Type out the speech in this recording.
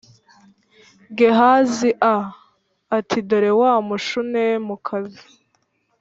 Gehazi a ati dore wa Mushunemukazi